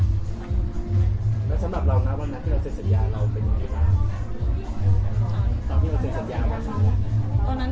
ก็เล่าบรรยากาศนี้มึง